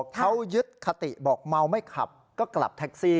เขายึดคติบอกเมาไม่ขับก็กลับแท็กซี่